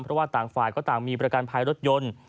เพราะว่าต่างฝ่ายก็ต่างมีประกันภัยรถยนต์